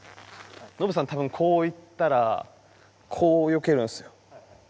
ノブさん多分こういったらこうよけるんですよ。